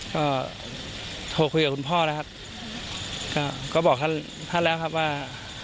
ก็โทรคุยกับคุณพ่อนะครับก็ก็บอกท่านท่านแล้วครับว่า